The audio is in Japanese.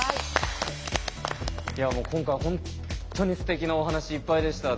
いやもう今回本当にすてきなお話いっぱいでした。